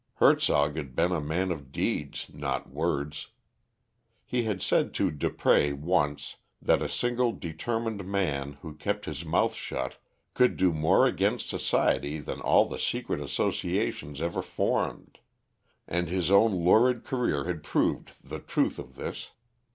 Hertzog had been a man of deeds not words. He had said to Dupré once, that a single determined man who kept his mouth shut, could do more against society than all the secret associations ever formed, and his own lurid career had proved the truth of this.